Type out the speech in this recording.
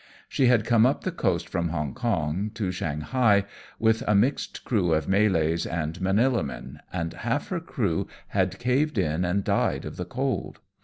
She had come up the coast from Hong Kong to Shanghai with a mixed crew of Malays and Manilla men, and half her crew had caved in and died of the cold.